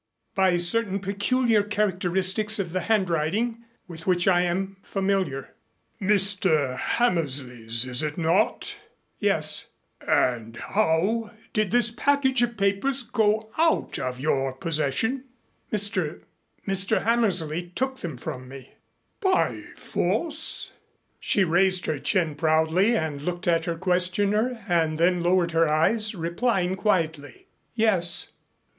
"By certain peculiar characteristics of the handwriting, with which I am familiar." "Mr. Hammersley's, is it not?" "Yes." "And how did this package of papers go out of your possession?" "Mr. Mr. Hammersley took them from me." "By force?" She raised her chin proudly and looked at her questioner and then lowered her eyes, replying quietly: "Yes."